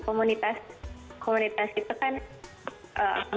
komunitas komunitas itu kan